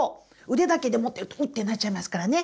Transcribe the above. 腕だけで持ってるとウッてなっちゃいますからね。